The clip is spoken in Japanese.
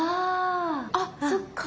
あっそっか！